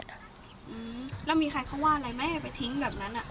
อืมแล้วมีใครเขาว่าอะไรไหมไปทิ้งแบบนั้นอ่ะ